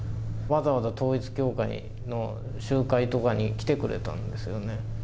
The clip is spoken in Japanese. わざわざ統一教会の集会とかに来てくれたんですよね。